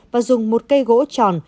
và dùng một cây gỗ tròn